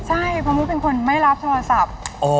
ใช่เพราะมุดเป็นคนไม่รับโทรศัพท์